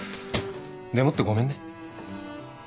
でもってごめんね。